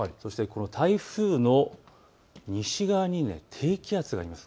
台風の西側に低気圧があります。